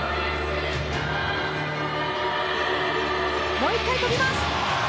もう１回跳びます！